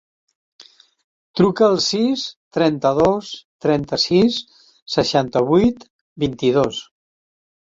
Truca al sis, trenta-dos, trenta-sis, seixanta-vuit, vint-i-dos.